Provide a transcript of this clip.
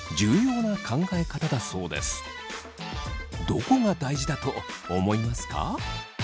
どこが大事だと思いますか？